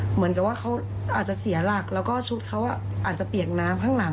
เหมือนกับว่าเขาอาจจะเสียหลักแล้วก็ชุดเขาอาจจะเปียกน้ำข้างหลัง